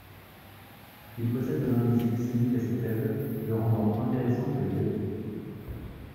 Il possède un indice glycémique assez faible le rendant intéressant pour les diabétiques.